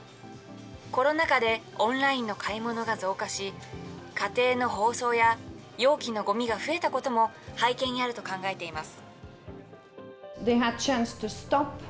コロナ禍でオンラインの買い物が増加し、家庭の包装や容器のごみが増えたことも背景にあると考えています。